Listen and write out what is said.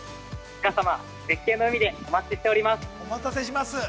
皆様、絶景の海でお待ちしております。